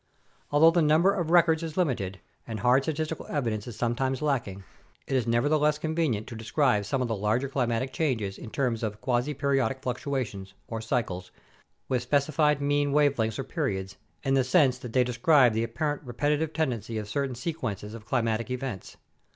Although the number of records is limited, and hard statistical evidence is sometimes lacking, it is never theless convenient to describe some of the larger climatic changes in terms of quasi periodic fluctuations or cycles with specified mean wave lengths or periods, in the sense that they describe the apparent repetitive tendency of certain sequences of climatic events.